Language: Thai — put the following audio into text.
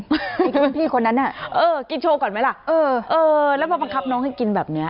มีคุณพี่คนนั้นน่ะเออกินโชว์ก่อนไหมล่ะเออแล้วมาบังคับน้องให้กินแบบนี้